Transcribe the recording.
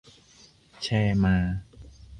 แชร์มา